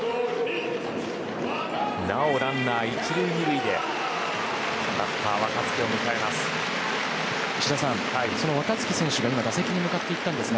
なおランナー、１塁２塁でバッター、若月を迎えます。